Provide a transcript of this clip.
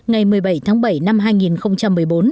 vào tháng bảy năm hai nghìn một mươi bốn